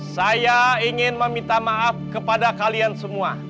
saya ingin meminta maaf kepada kalian semua